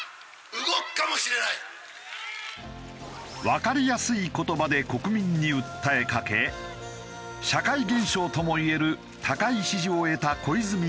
わかりやすい言葉で国民に訴えかけ社会現象ともいえる高い支持を得た小泉元総理。